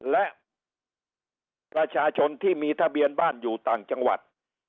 และประชาชนที่มีทะเบียนบ้านอยู่ต่างจังหวัด